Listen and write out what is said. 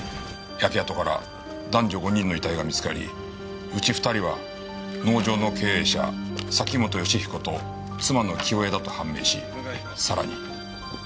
焼け跡から男女５人の遺体が見つかりうち２人は農場の経営者崎本善彦と妻の清江だと判明しさらに。